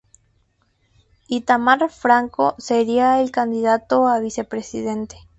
Itamar Franco sería el candidato a vicepresidente.